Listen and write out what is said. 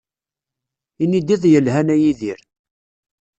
Ini-d iḍ yelhan a Yidir.